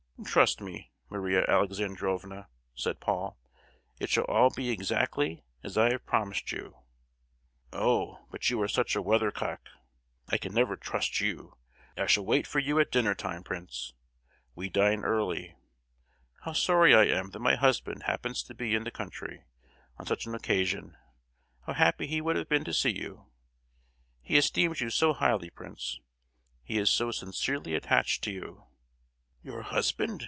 "Trust me, Maria Alexandrovna!" said Paul, "it shall all be exactly as I have promised you!" "Oh—but you're such a weathercock! I can never trust you! I shall wait for you at dinner time, Prince; we dine early. How sorry I am that my husband happens to be in the country on such an occasion! How happy he would have been to see you! He esteems you so highly, Prince; he is so sincerely attached to you!" "Your husband?